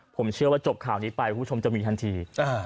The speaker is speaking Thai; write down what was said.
ผมเชื่อว่าจบข่าวนี้ไปคุณผู้ชมจะมีทันที